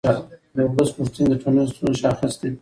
د ولس غوښتنې د ټولنیزو ستونزو شاخص دی